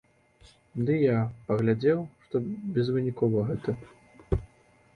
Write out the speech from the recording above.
Ды і я паглядзеў, што безвынікова гэта.